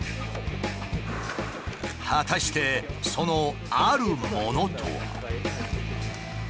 果たしてそのあるものとは。